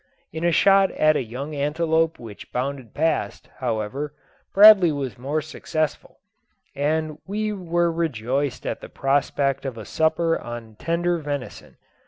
In a shot at a young antelope which bounded past, however, Bradley was more successful; and we were rejoiced at the prospect of a supper on tender venison.